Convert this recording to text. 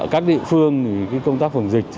các địa phương thì công tác phòng dịch